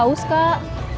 aku haus kak